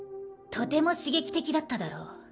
とても刺激的だっただろう。